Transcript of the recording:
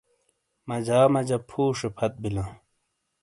مجا مجا پھُوشے پھت بِیلاں۔